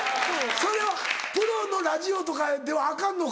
それはプロのラジオとかではアカンのか？